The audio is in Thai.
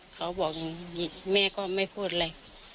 เขาบอกอย่างนี้แม่ก็ไม่พูดอะไร